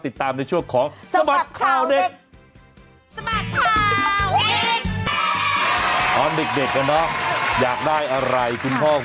ติดตามที่ช่วงของสมัครข่าวเด็ก